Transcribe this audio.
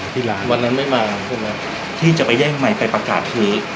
ที่ร้านวันนั้นไม่มาใช่ไหมที่จะไปแย่งใหม่ไปประกาศคืน